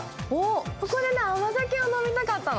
ここで甘酒が飲みたかったの。